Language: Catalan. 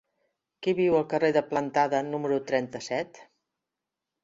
Qui viu al carrer de Plantada número trenta-set?